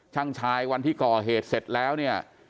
ชายวันที่ก่อเหตุเสร็จแล้วเนี่ย